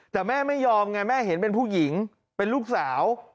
แต่แม่ไม่ยอมไงแม่เห็นเป็นผู้หญิงเป็นลูกสาว